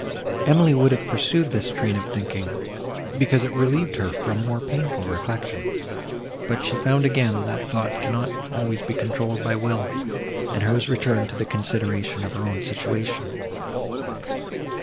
Emily would have pursued this train of thinking, because it relieved her from more painful reflection, but she found again, that thought cannot always be controlled by will; and hers returned to the consideration of her own situation.